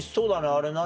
あれ何？